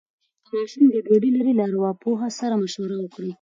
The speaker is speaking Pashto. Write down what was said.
که ماشوم ګډوډي لري، له ارواپوه سره مشوره وکړئ.